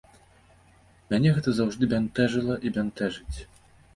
Мяне гэта заўжды бянтэжыла і бянтэжыць.